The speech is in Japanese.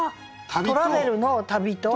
トラベルの「旅」と。